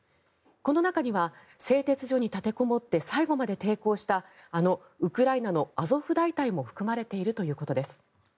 この中には製鉄所に立てこもって最後まで抵抗したあのウクライナのアゾフ大隊も含まれているということです。